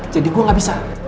jadi gua gak bisa